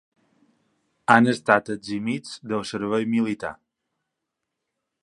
Han estat eximits del servei militar.